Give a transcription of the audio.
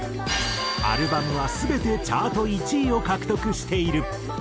アルバムは全てチャート１位を獲得している。